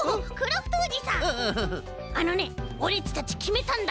あのねオレっちたちきめたんだ。